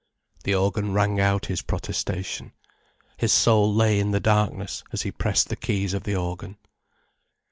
The organ rang out his protestation. His soul lay in the darkness as he pressed the keys of the organ.